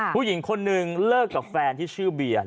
ผู้หญิงคนนึงเลิกกับแฟนที่ชื่อเบียร์